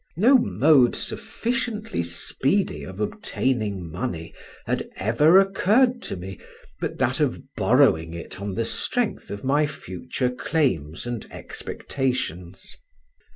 No mode sufficiently speedy of obtaining money had ever occurred to me but that of borrowing it on the strength of my future claims and expectations.